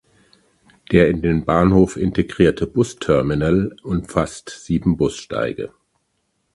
Der in den Bahnhof integrierte Busterminal umfasst sieben Bussteige.